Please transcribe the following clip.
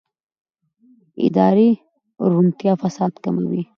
اداري روڼتیا فساد کموي